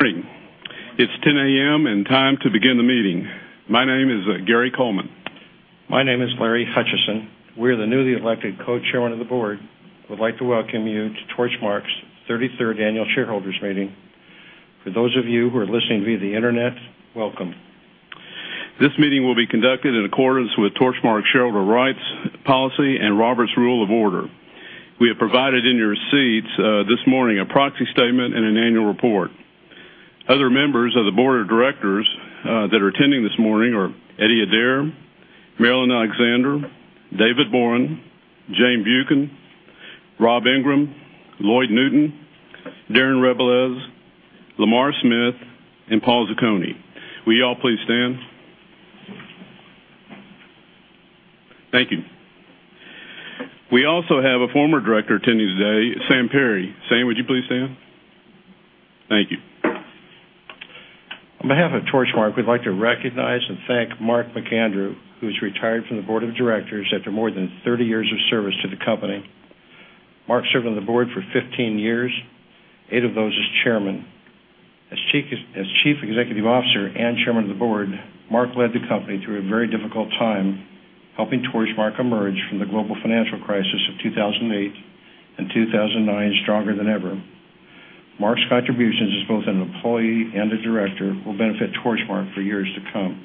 Good morning. It's 10:00 A.M. and time to begin the meeting. My name is Gary Coleman. My name is Larry Hutchison. We're the newly elected Co-Chairmen of the Board. We'd like to welcome you to Torchmark's 33rd Annual Shareholders Meeting. For those of you who are listening via the internet, welcome. This meeting will be conducted in accordance with Torchmark Shareholder Rights Policy and Robert's Rules of Order. We have provided in your seats this morning a proxy statement and an annual report. Other members of the Board of Directors that are attending this morning are Eddie Adair, Marilyn Alexander, David Boren, Jane Buchan, Rob Ingram, Lloyd Newton, Darren Rebelez, Lamar Smith, and Paul Zucconi. Will you all please stand? Thank you. We also have a former director attending today, Sam Perry. Sam, would you please stand? Thank you. On behalf of Torchmark, we'd like to recognize and thank Mark McAndrew, who's retired from the Board of Directors after more than 30 years of service to the company. Mark served on the board for 15 years, eight of those as Chairman. As Chief Executive Officer and Chairman of the Board, Mark led the company through a very difficult time, helping Torchmark emerge from the global financial crisis of 2008 and 2009 stronger than ever. Mark's contributions as both an employee and a director will benefit Torchmark for years to come.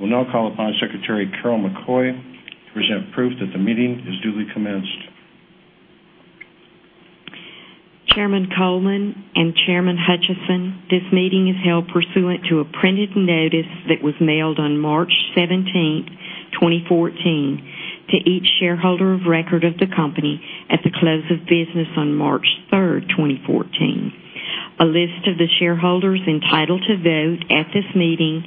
We'll now call upon Secretary Carol McCoy to present proof that the meeting is duly commenced. Chairman Coleman and Chairman Hutchison, this meeting is held pursuant to a printed notice that was mailed on March 17th, 2014, to each shareholder of record of the company at the close of business on March 3rd, 2014. A list of the shareholders entitled to vote at this meeting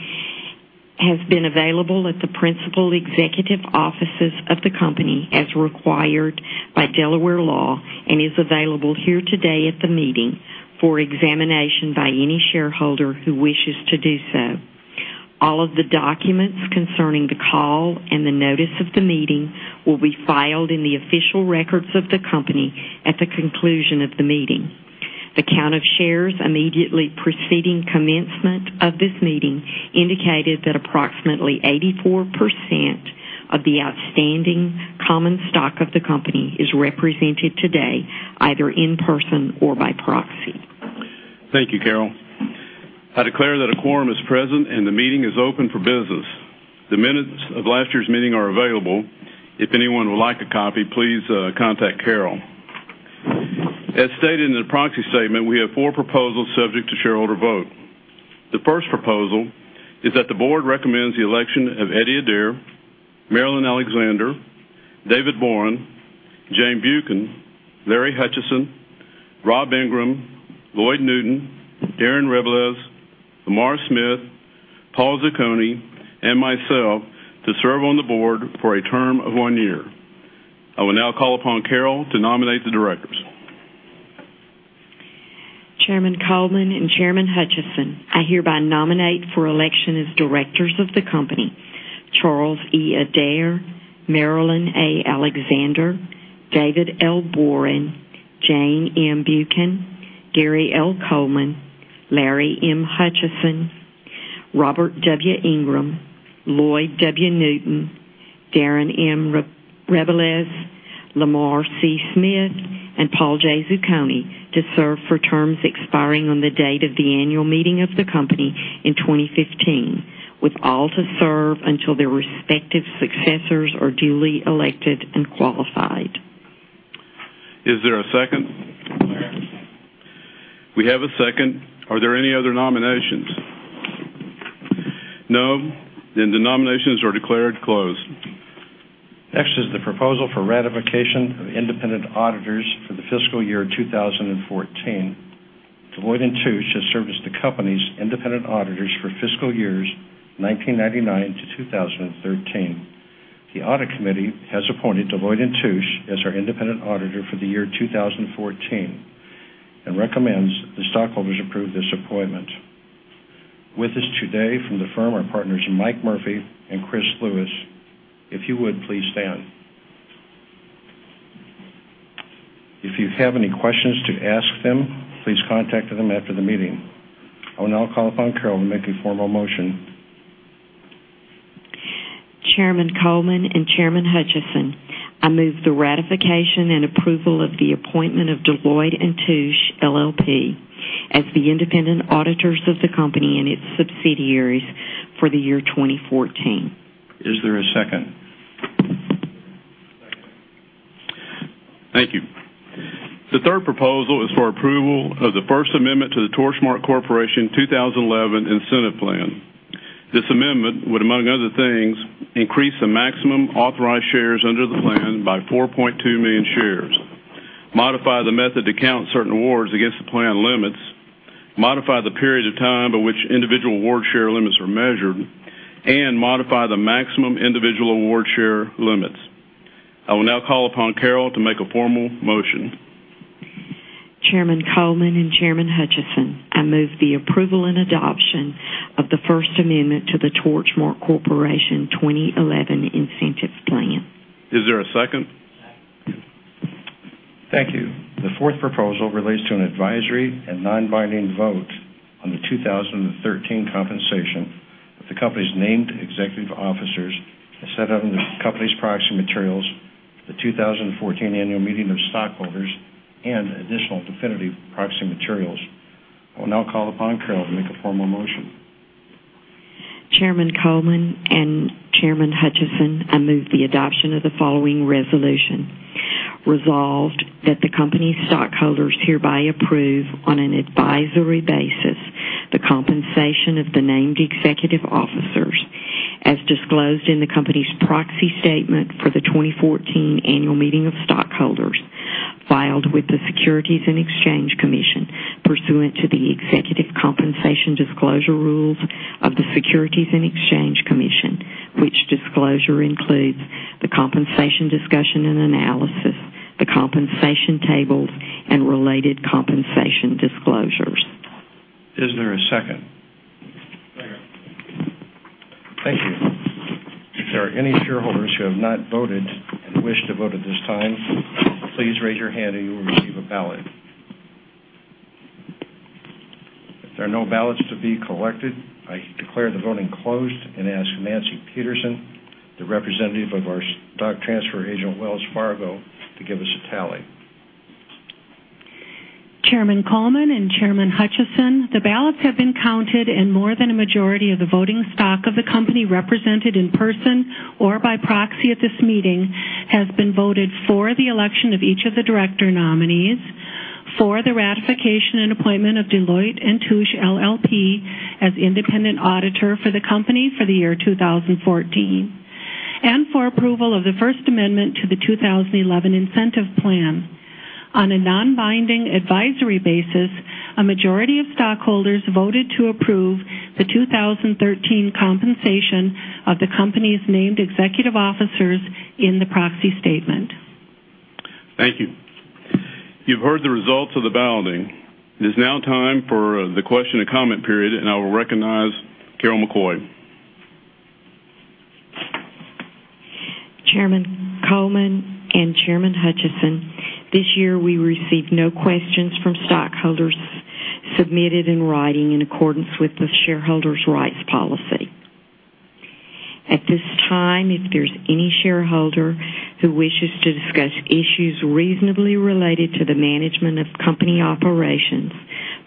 has been available at the principal executive offices of the company as required by Delaware law and is available here today at the meeting for examination by any shareholder who wishes to do so. All of the documents concerning the call and the notice of the meeting will be filed in the official records of the company at the conclusion of the meeting. The count of shares immediately preceding commencement of this meeting indicated that approximately 84% of the outstanding common stock of the company is represented today, either in person or by proxy. Thank you, Carol. I declare that a quorum is present. The meeting is open for business. The minutes of last year's meeting are available. If anyone would like a copy, please contact Carol. As stated in the proxy statement, we have four proposals subject to shareholder vote. The first proposal is that the board recommends the election of Eddie Adair, Marilyn Alexander, David Boren, Jane Buchan, Larry Hutchison, Rob Ingram, Lloyd Newton, Darren Rebelez, Lamar Smith, Paul Zucconi, and myself to serve on the board for a term of one year. I will now call upon Carol to nominate the directors. Chairman Coleman and Chairman Hutchison, I hereby nominate for election as directors of the company, Charles E. Adair, Marilyn A. Alexander, David L. Boren, Jane M. Buchan, Gary L. Coleman, Larry M. Hutchison, Robert W. Ingram, Lloyd W. Newton, Darren M. Rebelez, Lamar C. Smith, and Paul J. Zucconi to serve for terms expiring on the date of the annual meeting of the company in 2015, with all to serve until their respective successors are duly elected and qualified. Is there a second? Second. We have a second. Are there any other nominations? No. The nominations are declared closed. Next is the proposal for ratification of independent auditors for the fiscal year 2014. Deloitte & Touche has served as the company's independent auditors for fiscal years 1999-2013. The audit committee has appointed Deloitte & Touche as our independent auditor for the year 2014 and recommends the stockholders approve this appointment. With us today from the firm are partners Mike Murphy and Chris Lewis. If you would, please stand. If you have any questions to ask them, please contact them after the meeting. I will now call upon Carol to make a formal motion. Chairman Coleman and Chairman Hutchison, I move the ratification and approval of the appointment of Deloitte & Touche LLP as the independent auditors of the company and its subsidiaries for the year 2014. Is there a second? Second. Thank you. The third proposal is for approval of the First Amendment to the Torchmark Corporation 2011 Incentive Plan. This amendment would, among other things, increase the maximum authorized shares under the plan by 4.2 million shares, modify the method to count certain awards against the plan limits, modify the period of time by which individual award share limits are measured, and modify the maximum individual award share limits. I will now call upon Carol to make a formal motion. Chairman Coleman and Chairman Hutchison, I move the approval and adoption of the First Amendment to the Torchmark Corporation 2011 Incentive Plan. Is there a second? Thank you. The fourth proposal relates to an advisory and non-binding vote on the 2013 compensation of the company's named executive officers as set out in the company's proxy materials, the 2014 annual meeting of stockholders, and additional definitive proxy materials. I will now call upon Carol to make a formal motion. Chairman Coleman and Chairman Hutchison, I move the adoption of the following resolution. Resolved that the company's stockholders hereby approve, on an advisory basis, the compensation of the named executive officers as disclosed in the company's proxy statement for the 2014 annual meeting of stockholders filed with the Securities and Exchange Commission pursuant to the executive compensation disclosure rules of the Securities and Exchange Commission, which disclosure includes the compensation discussion and analysis, the compensation tables, and related compensation disclosures. Is there a second? Second. Thank you. If there are any shareholders who have not voted and wish to vote at this time, please raise your hand and you will receive a ballot. If there are no ballots to be collected, I declare the voting closed and ask Nancy Petersen, the representative of our stock transfer agent, Wells Fargo, to give us a tally. Chairman Coleman and Chairman Hutcheson, the ballots have been counted and more than a majority of the voting stock of the company represented in person or by proxy at this meeting has been voted for the election of each of the director nominees, for the ratification and appointment of Deloitte & Touche LLP as independent auditor for the company for the year 2014, and for approval of the first amendment to the 2011 Incentive Plan. On a non-binding advisory basis, a majority of stockholders voted to approve the 2013 compensation of the company's named executive officers in the proxy statement. Thank you. You've heard the results of the balloting. It is now time for the question and comment period. I will recognize Carol McCoy. Chairman Coleman and Chairman Hutcheson, this year we received no questions from stockholders submitted in writing in accordance with the Shareholders' Rights Policy. At this time, if there's any shareholder who wishes to discuss issues reasonably related to the management of company operations,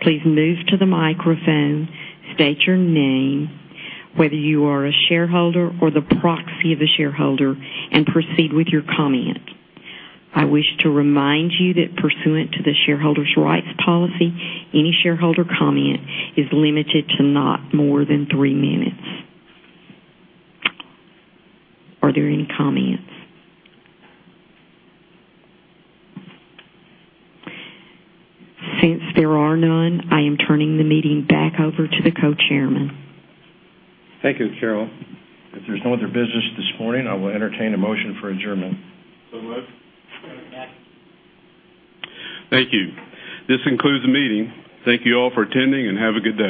please move to the microphone, state your name, whether you are a shareholder or the proxy of a shareholder, and proceed with your comment. I wish to remind you that pursuant to the Shareholders' Rights Policy, any shareholder comment is limited to not more than three minutes. Are there any comments? There are none, I am turning the meeting back over to the co-chairman. Thank you, Carol. If there's no other business this morning, I will entertain a motion for adjournment. Moved. Second. Thank you. This concludes the meeting. Thank you all for attending and have a good day.